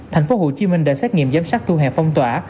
thành phố hồ chí minh đã xét nghiệm giám sát thu hẹp phong tỏa